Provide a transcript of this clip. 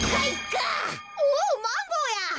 おおマンゴーや。